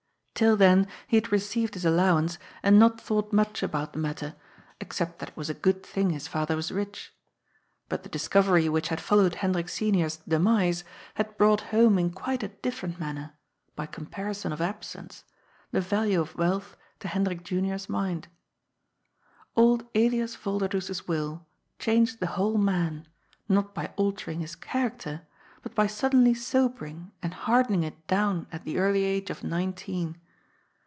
Till then he had received his allowance, and not thought much about the matter, except that it was a good thing his father was rich. But the discovery which had followed Hendrik Senior's demise had brought home in quite a different manner — by comparison of absence — ^the value of wealth to Hendrik Junior's mind. Old Elias Vol derdoes's will changed the whole man, not by altering his character, but by suddenly sobering and hardening it down at the early age of nineteen.